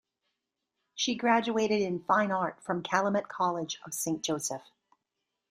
She graduated in Fine Art from Calumet College of Saint Joseph.